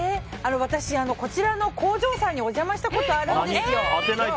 私、こちらの工場さんにお邪魔したことがあるんですよ。